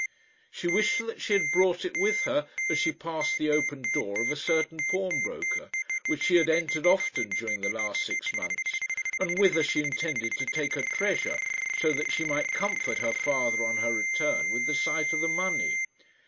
She wished that she had brought it with her, as she passed the open door of a certain pawnbroker, which she had entered often during the last six months, and whither she intended to take her treasure, so that she might comfort her father on her return with the sight of the money.